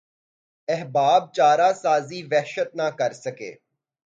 احباب چارہ سازی وحشت نہ کرسکے